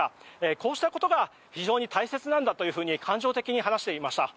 こうしたことが非常に大切なんだと感情的に話していました。